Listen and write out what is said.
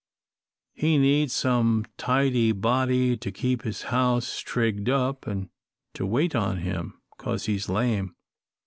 He needs some tidy body to keep his house trigged up, and to wait on him, 'cause he's lame.